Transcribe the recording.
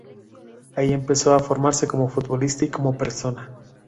Ahí empezó a formarse como futbolista y como persona.